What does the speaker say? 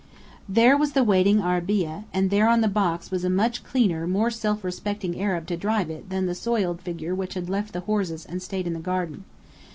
There was the waiting arabeah, and there on the box was a much cleaner, more self respecting Arab to drive it than the soiled figure which had left the horses and strayed into the garden.